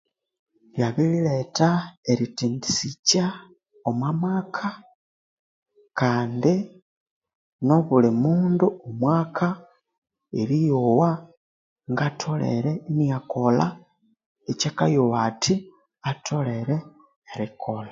Byabiriletha erithendi sikya omwamaka kandi nobuli mundu omwaka eriyowa ngatholerere ikolha akyanzire erikolha